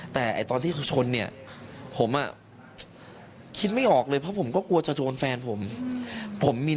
แต่ตอนที่ชนผมคิดไม่ออกเลยเพราะผมก็กลัวจะโดนแฟนผม